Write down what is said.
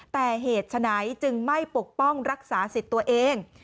แต่เหตุฉะนั้นจึงไม่ปกป้องรักษาสิทธิ์ตัวเอง